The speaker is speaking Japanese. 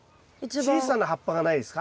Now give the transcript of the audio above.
小さな葉っぱがないですか？